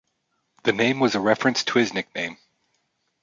The name was a reference to his nickname.